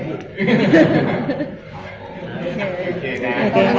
ขอบคุณค่ะ